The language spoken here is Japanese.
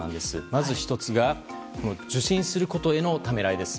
まず１つが、受診することへのためらいです。